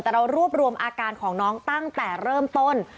แต่เรารวบรวมอาการของน้องตั้งแต่เริ่มต้น